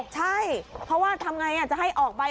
ใช่เพราะว่าทำไงจะให้ออกใบ